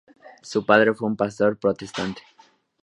Su padre fue un pastor protestante.